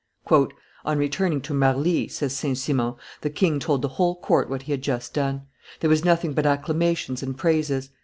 "On returning to Marly," says St. Simon, "the king told the whole court what he had just done. There was nothing but acclamations and praises.